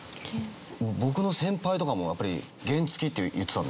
僕の先輩とかもやっぱり原付って言ってたんで。